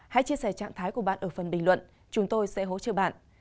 hãy chia sẻ trạng thái của bạn ở phần bình luận chúng tôi sẽ hỗ trợ bạn